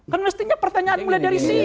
kan mestinya pertanyaan mulai dari sini